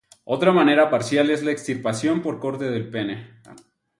Otra manera parcial es la extirpación por corte del pene.